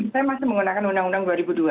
saya masih menggunakan undang undang dua ribu dua